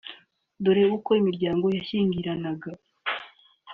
dore ko imiryango yashyingiranaga